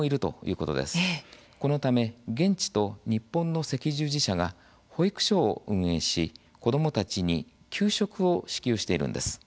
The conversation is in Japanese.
このため現地と日本の赤十字社が保育所を運営し、子どもたちに給食を支給しているんです。